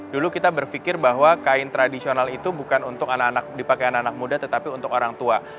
dulu kita berpikir bahwa kain tradisional itu bukan untuk anak anak dipakai anak anak muda tetapi untuk orang tua